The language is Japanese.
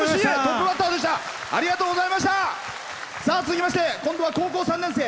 続きまして今度は高校３年生。